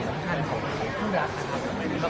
หรือคุณครับ